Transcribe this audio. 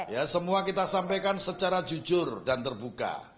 ya semua kita sampaikan secara jujur dan terbuka